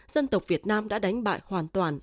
dân tộc việt nam đã đánh bại hoàn toàn